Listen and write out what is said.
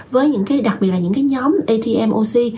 với những cái đặc biệt là những cái nhóm atm oc